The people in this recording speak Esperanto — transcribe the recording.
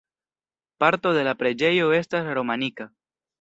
Parto de la preĝejo estas romanika.